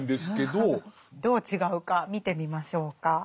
どう違うか見てみましょうか。